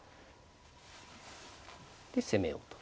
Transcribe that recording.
で攻めようと。